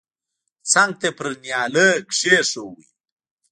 څنگ ته يې پر نيالۍ کښېښوه.